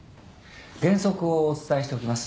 原則をお伝えしておきます。